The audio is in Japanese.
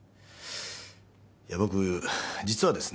いや僕実はですね